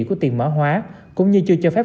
của tiền mã hóa cũng như chưa cho phép